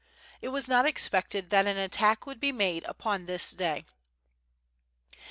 It was not expected that an attack would be made upon this day.